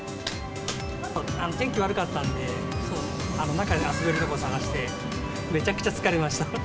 天気悪かったので、中で遊べるところを探して、めちゃくちゃ疲れました。